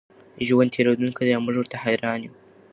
ژوند تېرېدونکی دی او موږ ورته حېران یو.